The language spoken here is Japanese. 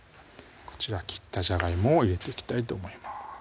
こちら切ったじゃがいもを入れていきたいと思います